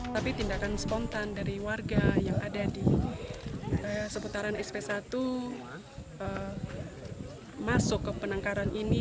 tapi tindakan spontan dari warga yang ada di seputaran sp satu masuk ke penangkaran ini